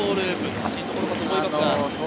難しいところだったと思います。